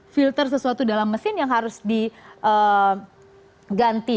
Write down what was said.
filter sesuatu dalam mesin yang harus diganti